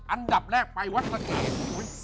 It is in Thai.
อันดับแรกไปวัดสะเกด